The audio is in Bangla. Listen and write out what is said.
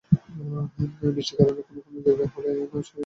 বৃষ্টির কারণে কোনো কোনো জায়গায় রেল চলাচল সাময়িকভাবে বন্ধ রাখা হয়েছে।